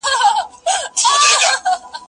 زه به اوږده موده اوبه پاکې کړې وم؟